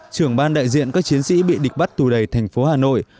trưởng ban đại diện các chiến sĩ bị địch bắt tù đầy thành phố hà nội